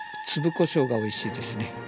粒こしょうがおいしいですね。